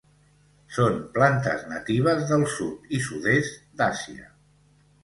Són plantes natives del sud i sud-est d'Àsia.